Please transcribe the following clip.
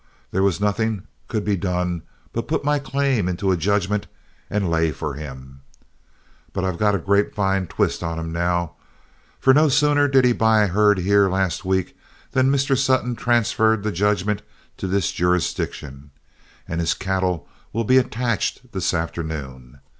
There was nothing could be done but put my claim into a judgment and lay for him. But I've got a grapevine twist on him now, for no sooner did he buy a herd here last week than Mr. Sutton transferred the judgment to this jurisdiction, and his cattle will be attached this afternoon.